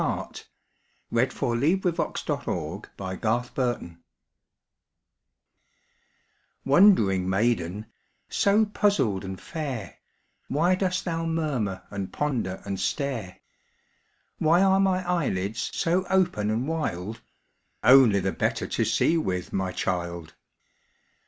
WHAT THE WOLF REALLY SAID TO LITTLE RED RIDING HOOD Wondering maiden, so puzzled and fair, Why dost thou murmur and ponder and stare? "Why are my eyelids so open and wild?" Only the better to see with, my child!